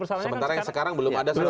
sementara yang sekarang belum ada